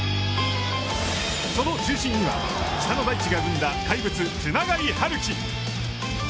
その中心には、北の大地が生んだ怪物、熊谷陽輝。